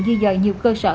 di dời nhiều cơ sở